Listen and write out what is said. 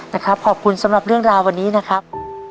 นะครับขอบคุณสำหรับเรื่องราววันนี้นะครับ